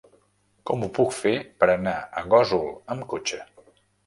Com ho puc fer per anar a Gósol amb cotxe?